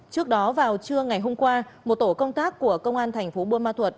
trước đó vào trưa ngày hôm qua một tổ công tác của công an thành phố buôn ma thuật